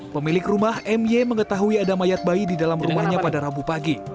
pemilik rumah m y mengetahui ada mayat bayi di dalam rumahnya pada rambu pagi